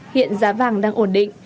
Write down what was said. hiện giá vàng đang ổn định